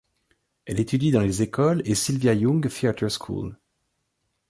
Elle étudie dans les écoles et Sylvia Young Theatre School.